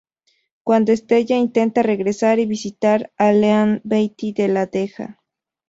Cuando Stella intenta regresar y visitar a Leanne, Betty no la deja.